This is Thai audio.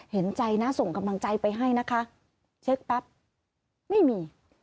เห็นใจนะส่งกำลังใจไปให้นะคะเช็คปั๊บไม่มี